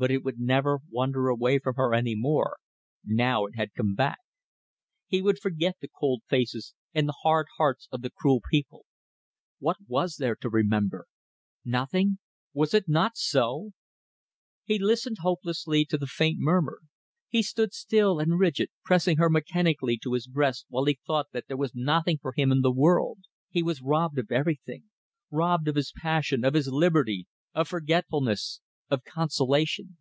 But it would never wander away from her any more, now it had come back. He would forget the cold faces and the hard hearts of the cruel people. What was there to remember? Nothing? Was it not so? ... He listened hopelessly to the faint murmur. He stood still and rigid, pressing her mechanically to his breast while he thought that there was nothing for him in the world. He was robbed of everything; robbed of his passion, of his liberty, of forgetfulness, of consolation.